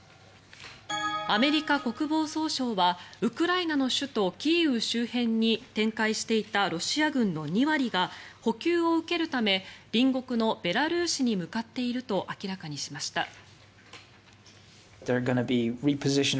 アメリカ国防総省はウクライナの首都キーウ周辺に展開していたロシア軍の２割が補給を受けるため隣国のベラルーシに向かっていると明らかにしました。